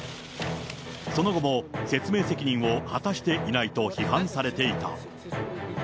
その後も説明責任を果たしていないと批判されていた。